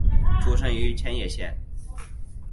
出身于千叶县。